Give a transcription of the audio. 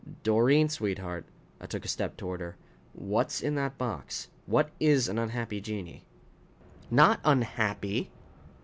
"Doreen, sweetheart " I took a step toward her "what's in that box? What is an unhappy genii?" "Not unhappy."